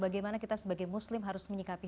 bagaimana kita sebagai muslim harus menyikapi